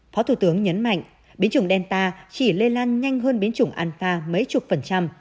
phó thủ tướng nhấn mạnh biến chủng delta chỉ lây lan nhanh hơn biến chủng anfa mấy chục phần trăm